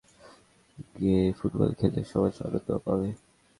একই শিশু সাহিত্য পাঠ করে, গান গেয়ে, ফুটবল খেলে সমান আনন্দ পাবে।